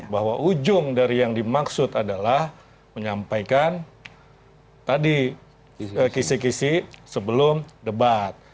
bahwa ujung dari yang dimaksud adalah menyampaikan tadi kisi kisi sebelum debat